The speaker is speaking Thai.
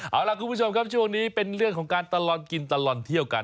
เอาล่ะคุณผู้ชมครับช่วงนี้เป็นเรื่องของการตลอดกินตลอดเที่ยวกัน